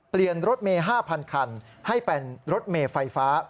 เปลี่ยนรถเม๕๐๐คันให้เป็นรถเมย์ไฟฟ้า